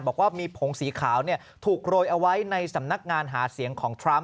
บอกว่ามีผงสีขาวถูกโรยเอาไว้ในสำนักงานหาเสียงของทรัมป